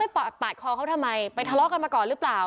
ปาดคอเขาทำไมไปทะเลาะกันมาก่อนหรือเปล่า